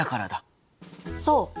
そう。